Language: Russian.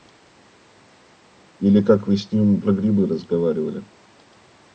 Или как Вы с ним про грибы разговаривали.